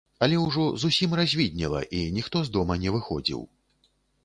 Але ўжо зусім развіднела, і ніхто з дома не выходзіў.